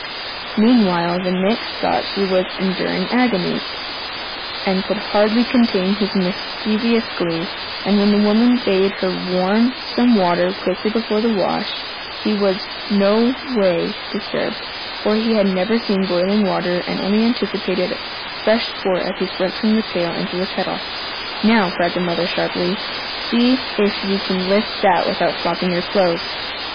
Meanwhile the Nix thought she was enduring agonies, and could hardly contain his mischievous glee; and when the woman bade her "warm some water quickly for the wash," he was in no way disturbed, for he had never seen boiling water, and only anticipated fresh sport as he slipped from the pail into the kettle. "Now," cried the mother sharply, "see if you can lift that without slopping your clothes."